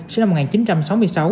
sẽ năm một nghìn chín trăm sáu mươi sáu